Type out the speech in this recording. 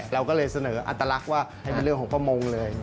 เราก็เลยเสนออัตลักษณ์ว่าให้เป็นเรื่องของประมงเลย